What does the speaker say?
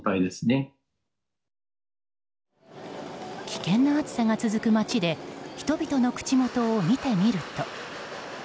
危険な暑さが続く街で人々の口元を見てみると。